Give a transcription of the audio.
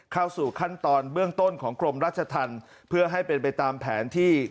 เข้าสู่ขั้นตอนเบื้องต้นของกรมราชธรรมเพื่อให้เป็นไปตามแผนที่